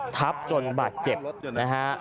ทับจนบาดเจ็บนะฮะ